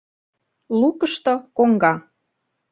Лукышто коҥга.